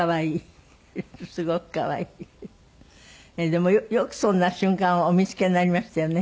でもよくそんな瞬間をお見つけになりましたよね。